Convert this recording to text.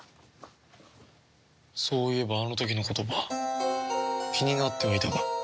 そういえばあの時の言葉気になってはいたが。